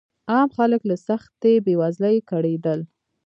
عام خلک له سختې بېوزلۍ کړېدل.